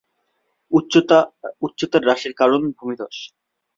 উচ্চতার হ্রাসের কারণ ভূমিধ্স।